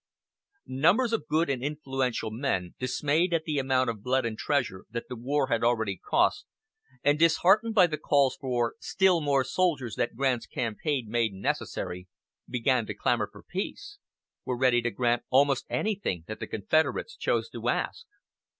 Numbers of good and influential men, dismayed at the amount of blood and treasure that the war had already cost, and disheartened by the calls for still more soldiers that Grant's campaign made necessary, began to clamor for peace were ready to grant almost anything that the Confederates chose to ask.